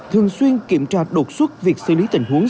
thường xuyên kiểm tra đột xuất việc xử lý tình huống